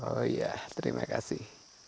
oh iya terima kasih